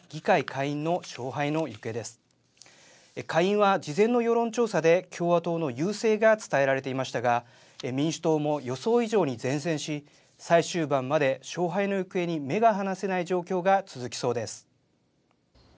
下院は事前の世論調査で共和党の優勢が伝えられていましたが民主党も予想以上に善戦し、最終盤まで勝敗の行方に目が離せない状況が続きそうです。